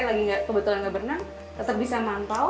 lagi kebetulan nggak berenang tetap bisa mantau